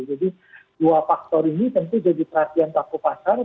jadi dua faktor ini tentu jadi perhatian takut pasar